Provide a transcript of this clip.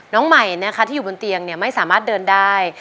น้องใหม่นะคะที่อยู่บนเตียงไม่สามารถเดินได้